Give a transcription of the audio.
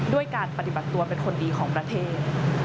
ด้วยการปฏิบัติตัวเป็นคนดีของประเทศ